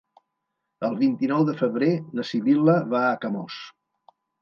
El vint-i-nou de febrer na Sibil·la va a Camós.